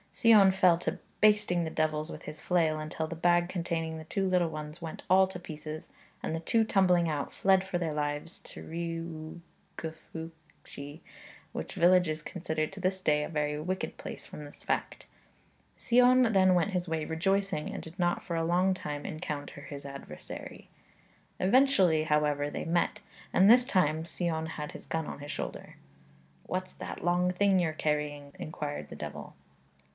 Sion fell to basting the devils with his flail, until the bag containing the two little ones went all to pieces, and the two tumbling out, fled for their lives to Rhiwgyfylchi, which village is considered to this day a very wicked place from this fact. Sion then went his way rejoicing, and did not for a long time encounter his adversary. Eventually, however, they met, and this time Sion had his gun on his shoulder. 'What's that long thing you're carrying?' inquired the devil.